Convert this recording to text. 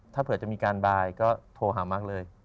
ถ้าเผื่อจะมีการบายก็โทรหามากเลย